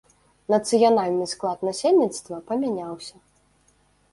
Нацыянальны склад насельніцтва памяняўся.